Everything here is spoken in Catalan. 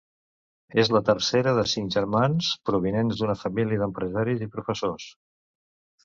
És la tercera de cinc germans, provinents d'una família d'empresaris i professors.